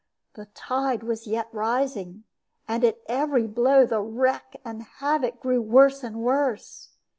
The tide was yet rising, and at every blow the wreck and the havoc grew worse and worse.